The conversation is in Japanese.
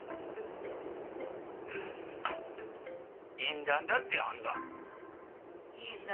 縁談だってあんだ。